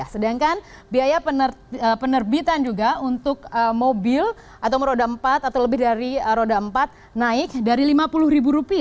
sedangkan biaya penerbitan juga untuk mobil atau roda empat atau lebih dari roda empat naik dari rp lima puluh